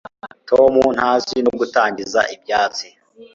tom ntazi no gutangiza ibyatsi